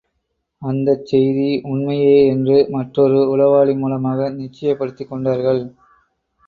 அந்தச் செய்தி உண்மையே என்று மற்றொரு உளவாளி மூலமாகவும் நிச்சயப்படுத்திக் கொண்டார்கள்.